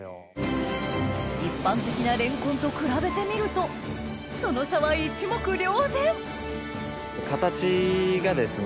一般的なレンコンと比べてみるとその差は一目瞭然形がですね